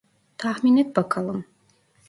Tahmin et bakalım.